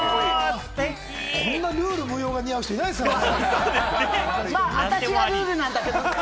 こんなルール無用が似合う人いないですからね。